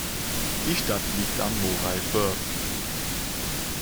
Die Stadt liegt am Moray Firth.